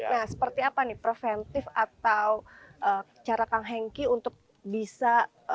nah seperti apa nih preventif atau cara kang henki untuk bisa